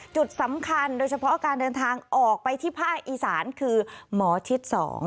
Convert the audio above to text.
จุดสำคัญโดยเฉพาะการเดินทางออกไปที่ภาคอีสานคือหมอชิด๒